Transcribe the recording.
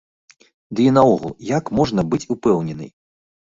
Ды і наогул, як можна быць упэўненай?